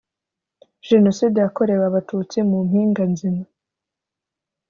Jenoside Yakorewe Abatutsi Mu Mpinganzima